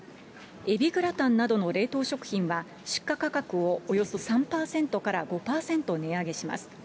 えびグラタンなどの冷凍食品は出荷価格をおよそ３％から５％値上げします。